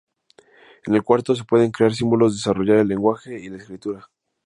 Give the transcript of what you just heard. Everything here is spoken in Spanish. En el cuarto, se pueden crear símbolos, desarrollar el lenguaje y la escritura.